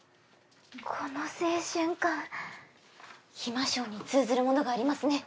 この青春感「ひま少」に通ずるものがありますね。